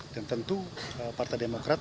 dan tentu partai demokrat